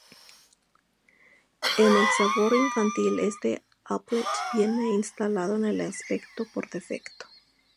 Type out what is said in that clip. En el sabor infantil este applet viene instalado en el aspecto por defecto.